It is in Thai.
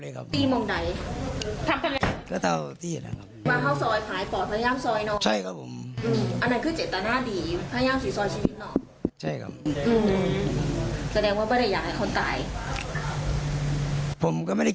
ต้องรวดมาจับผมสักก่อน